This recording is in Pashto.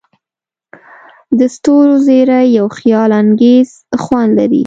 د ستورو زیرۍ یو خیالانګیز خوند لري.